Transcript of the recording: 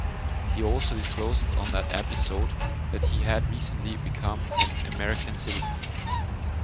He also disclosed on that episode that he had recently become an American citizen.